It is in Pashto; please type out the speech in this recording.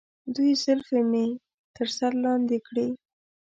دوی زلفې مې تر سر لاندې کړي.